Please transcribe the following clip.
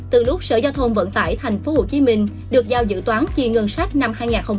từ lúc sở giao thông vận tải tp hcm được giao dự toán chi ngân sách năm hai nghìn hai mươi